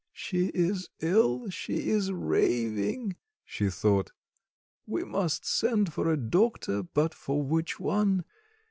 "She is ill, she is raving," she thought: "we must send for a doctor; but for which one?